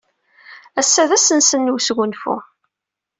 Ass-a d ass-nsen n wesgunfu.